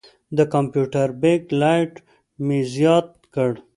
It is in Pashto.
د کمپیوټر بیک لایټ مې زیات کړ.